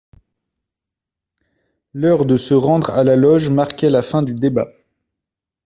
L'heure de se rendre à la Loge marquait la fin du débat.